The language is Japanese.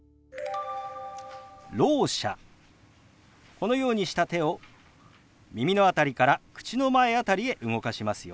このようにした手を耳の辺りから口の前辺りへ動かしますよ。